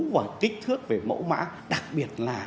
và kích thước về mẫu mã đặc biệt là